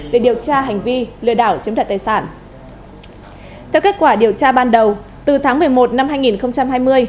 để điều tra hành vi lừa đảo chiếm đặt tài sản theo kết quả điều tra ban đầu từ tháng một mươi một năm hai nghìn hai mươi